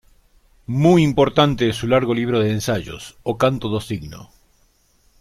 Muy importante es su largo libro de ensayos, "O canto do Signo.